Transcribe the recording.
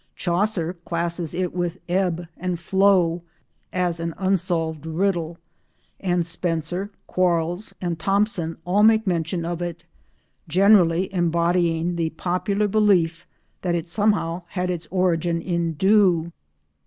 Chaucer classes it with "ebbe and floud" as an unsolved riddle, and Spenser, Quarles and Thomson all make mention of it, generally embodying the popular belief that it somehow had its origin in dew.